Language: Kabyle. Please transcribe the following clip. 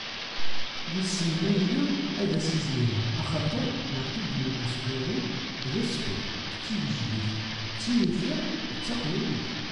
Wissen ma yella ad as-izmireɣ axaṭer Maɛṭub Lwennas ɣur-i d asfel, d tigejdit, d tinifi, d taqbaylit.